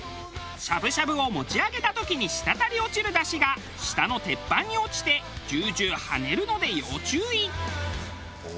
しゃぶしゃぶを持ち上げた時に滴り落ちる出汁が下の鉄板に落ちてジュージューハネるので要注意。